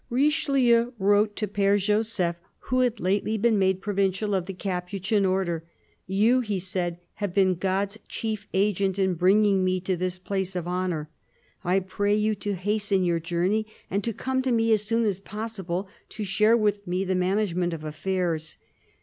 Richelieu wrote to Pfere Joseph, who had lately been made Provincial of the Capuchin Order :" You," he said, " have been God's chief agent in bring ing me to this place of honour. ... I pray you to hasten your journey, and to come to me as soon as possible, to share with me the management of affairs.